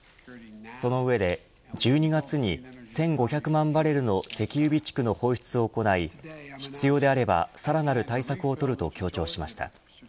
その上で１２月に１５００万バレルの石油備蓄の放出を行い必要であればさらなる対策を取ると強調しました。